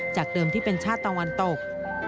เดิมที่เป็นชาติตะวันตก